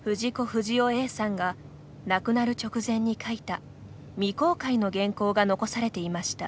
不二雄さんが亡くなる直前に描いた未公開の原稿が残されていました。